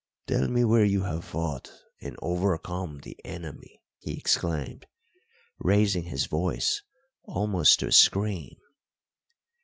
"Tell me where you have fought and overcome the enemy," he exclaimed, raising his voice almost to a scream.